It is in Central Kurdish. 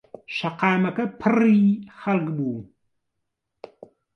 شەقاکەمە پڕی خەڵک بوو.